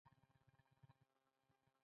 د سږو ظرفیت شپږ لیټره دی.